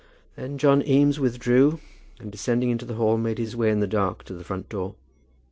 Then John Eames withdrew, and descending into the hall made his way in the dark to the front door.